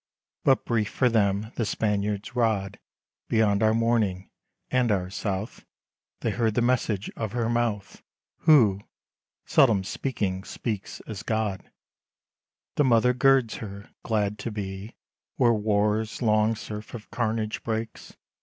But brief for them the Spaniard's rod; Beyond our morning and our South, They heard the message of her mouth, Who, seldom speaking, speaks as God. 103 IN THE BEGINNING. The Mother girds Her, glad to be Where war's long surf of carnage breaks.